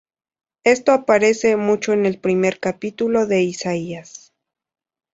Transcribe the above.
Esto aparece mucho en el primer capítulo de Isaías.